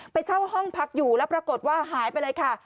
เช่าห้องพักอยู่แล้วปรากฏว่าหายไปเลยค่ะ